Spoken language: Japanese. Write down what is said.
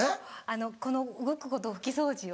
この動くこと拭き掃除を。